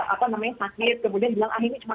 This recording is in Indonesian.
apa namanya sakit kemudian bilang ah ini cuma